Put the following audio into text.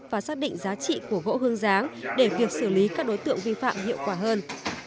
và xác định giá trị của gỗ hương giáng để việc xử lý các đối tượng vi phạm hiệu quả hơn